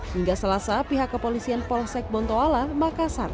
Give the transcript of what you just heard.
hingga selasa pihak kepolisian polsek bontoala makassar